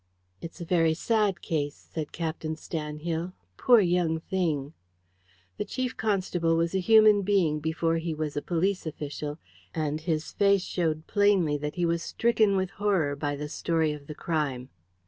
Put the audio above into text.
"It's a very sad case," said Captain Stanhill. "Poor young thing!" The Chief Constable was a human being before he was a police official, and his face showed plainly that he was stricken with horror by the story of the crime.